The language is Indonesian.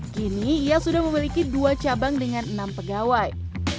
kini ia sudah memiliki dua cabang dengan enam pegawai